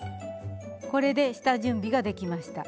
これで下準備ができました。